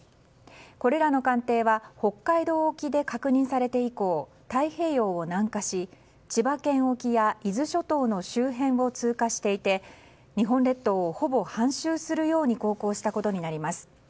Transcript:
これらの艦艇は北海道沖で確認されて以降太平洋を南下し千葉県沖や伊豆諸島の周辺を通過していて日本列島をほぼ半周するように航行したことになります。